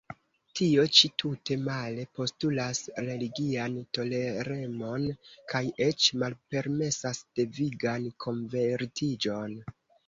Tio ĉi, tute male, postulas religian toleremon kaj eĉ malpermesas devigan konvertiĝon.